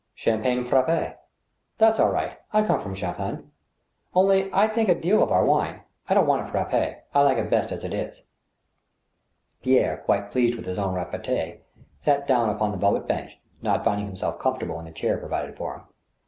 Champagne frappi " That's all right. I come from Champagne. Only, I think a deal of our wine. I don't want it frappi—l like it best as it is." Pierre, quite pleased with his own repartee, sat down upon the velvet bench, not finding himself comfortable in the chair provided for him.